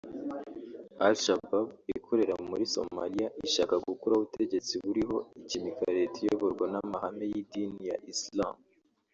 Al-Shabaab ikorera muri Somalia ishaka gukuraho ubutegetsi buriho ikimika Leta iyoborwa n’amahame y’idini ya Islam